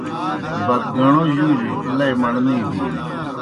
بتگݨو جُولیْ لئی مڑنے بِینیْ۔